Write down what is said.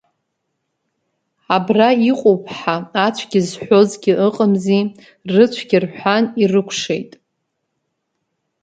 Абра иҟоуп ҳа ацәгьа зҳәозгьы ыҟамзи, рыцәгьа рҳәан, ирыкәшт.